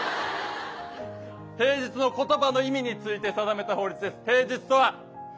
「平日」の言葉の意味について定めた法律です。